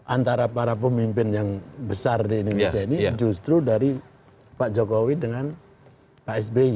antara para pemimpin yang besar di indonesia ini justru dari pak jokowi dengan pak sby